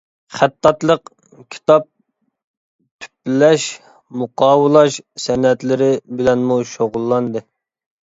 خەتتاتلىق، كىتاب تۈپلەش-مۇقاۋىلاش سەنئەتلىرى بىلەنمۇ شۇغۇللاندى.